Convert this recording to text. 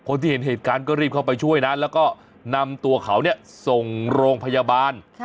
เห็นเหตุการณ์ก็รีบเข้าไปช่วยนะแล้วก็นำตัวเขาส่งโรงพยาบาล